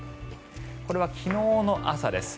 これは昨日の朝です。